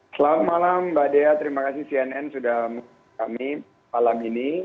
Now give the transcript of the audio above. selamat malam mbak dea terima kasih cnn sudah kami malam ini